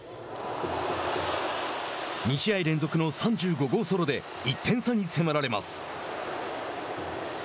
２試合連続の３５号ソロで１点差に迫られます。